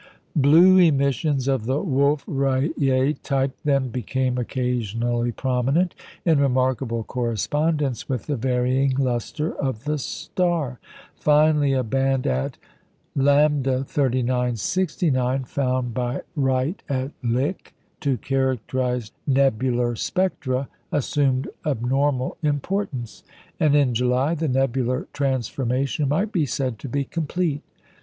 Blue emissions of the Wolf Rayet type then became occasionally prominent, in remarkable correspondence with the varying lustre of the star; finally, a band at Lambda 3969, found by Wright at Lick to characterise nebular spectra, assumed abnormal importance; and in July the nebular transformation might be said to be complete.